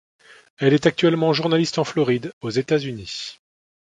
Elle est actuellement journaliste en Floride aux États-Unis.